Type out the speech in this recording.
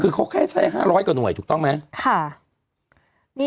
คือเขาแค่ใช้๕๐๐กว่าหน่วยถูกต้องไหม